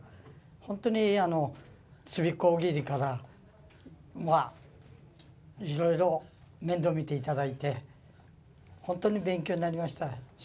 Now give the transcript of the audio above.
本当にちびっ子大喜利から、まあ、いろいろ面倒見ていただいて、本当に勉強になりました。